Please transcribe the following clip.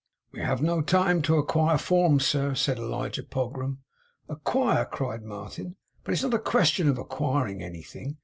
'We have no time to ac quire forms, sir,' said Elijah Pogram. 'Acquire!' cried Martin. 'But it's not a question of acquiring anything.